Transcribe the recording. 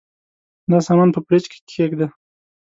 دا سامان په فریج کي کښېږده.